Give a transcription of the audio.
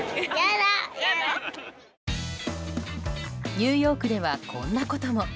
ニューヨークではこんなことも。